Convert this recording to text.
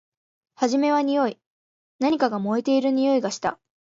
はじめはにおい。何かが燃えているにおいがした。